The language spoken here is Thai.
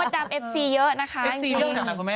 พี่มดดำเอฟซีเยอะนะคะ